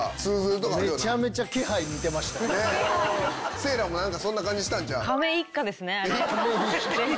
せいらも何かそんな感じしたんちゃう？